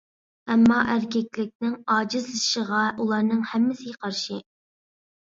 ئەمما ئەركەكلىكنىڭ ئاجىزلىشىشىغا ئۇلارنىڭ ھەممىسى قارىشى.